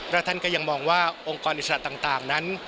และท่านก็ยังมองว่าองค์กรอิสระต่างนั้น